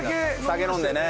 酒飲んでね。